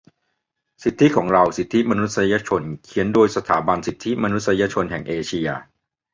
สิทธิของเรา สิทธิมนุษยชน เขียนโดยสถาบันสิทธิมนุษยชนแหงเอเชีย